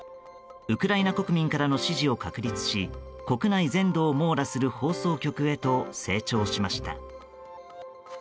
ウクライナ国民からの支持を確立し国内全土を網羅する放送局へと成長しました。